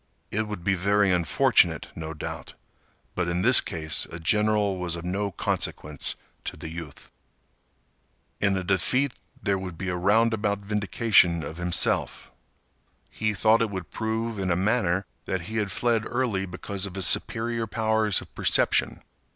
It would be very unfortunate, no doubt, but in this case a general was of no consequence to the youth. In a defeat there would be a roundabout vindication of himself. He thought it would prove, in a manner, that he had fled early because of his superior powers of perception.